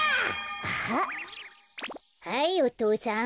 あっはいお父さん。